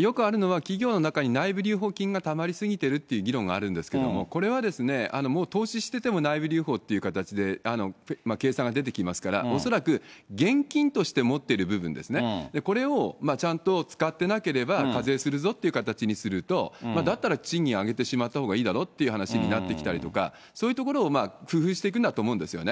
よくあるのは、企業の中に内部留保金がたまりすぎてるという議論があるんですけれども、これは、もう投資しても、内部留保っていう形で、計算が出てきますから、恐らく、現金として持ってる部分ですね、これをちゃんと使ってなければ課税するぞという形にすると、だったら賃金上げてしまったほうがいいだろうっていう話になってきたりとか、そういうところを工夫していくんだと思うんですよね。